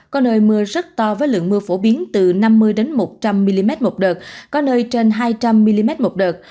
có nơi mưa rất to với lượng mưa phổ biến từ năm mươi một trăm linh mm một đợt có nơi trên hai trăm linh mm một đợt